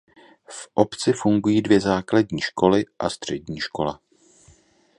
V obci fungují dvě základní školy a střední škola.